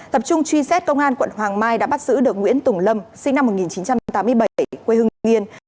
tập trung truy xét công an quận hoàng mai đã bắt giữ được nguyễn tùng lâm sinh năm một nghìn chín trăm tám mươi bảy quê hương nghiên